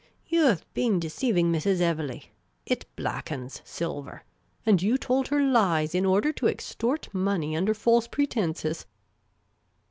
*' You have been deceiving Mrs. Evelegh. It blackens silver. And you told her lies in order to extort money under false pretences.